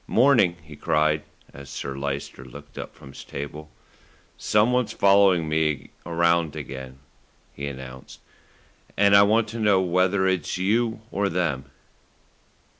"Morning," he cried, as Sir Lyster looked up from his table. "Someone's following me around again," he announced, "and I want to know whether it's you or them."